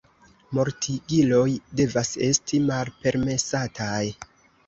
Mortigiloj devas esti malpermesataj.